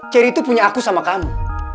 cherry itu punya aku sama kamu